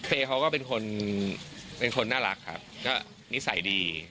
เฟย์เขาก็เป็นคนน่ารักครับก็นิสัยดี